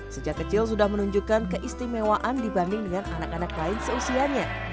sejak kecil sudah menunjukkan keistimewaan dibanding dengan anak anak lain seusianya